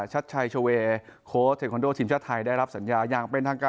ชัชไชเชวเคิ้ลเทคโนโดทีมชาติไทยได้รับสัญญา